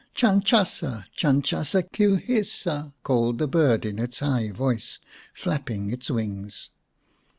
" Chanchasa ! Chanchasa ! Kilhisa !" called the bird in its high voice, flapping its wings.